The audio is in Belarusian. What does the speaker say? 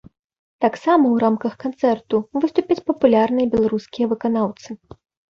Таксама ў рамках канцэрту выступяць папулярныя беларускія выканаўцы.